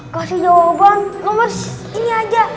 kasih jawaban nomor ini aja